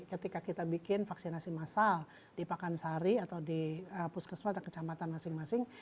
ketika kita bikin vaksinasi massal di pakansari atau di puskesmas atau kecamatan masing masing